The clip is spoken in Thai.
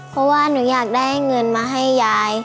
เพราะว่าหนูอยากได้เงินมาให้ยาย